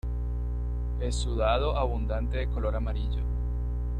Exudado abundante de color amarillo.